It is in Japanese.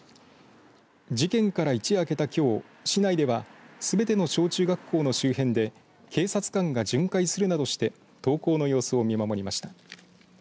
事件から一夜明けたきょう市内ではすべての小中学校の周辺で警察官が巡回するなどして登校の様子を見守りました。